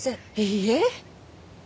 いいえ。